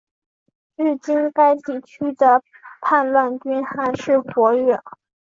至今该地区的叛乱军还是活跃。